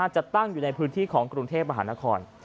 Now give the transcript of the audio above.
จะตั้งอยู่ในพื้นที่ของกรุงเทพมหานคร